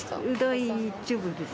大丈夫です。